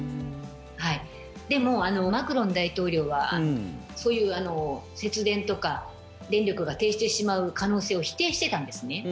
でも、マクロン大統領はそういう節電とか電力が停止してしまう可能性を否定してたんですね。